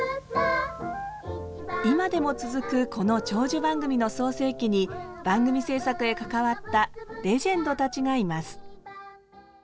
今でも続くこの長寿番組の創成期に番組制作へ関わったレジェンドたちがいます。